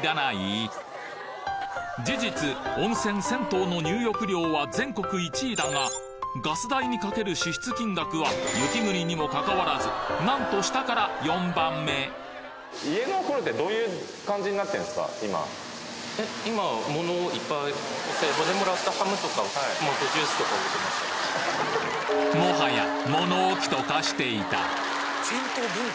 事実温泉・銭湯の入浴料は全国１位だがガス代にかける支出金額は雪国にもかかわらずなんと下から４番目もはやねえ。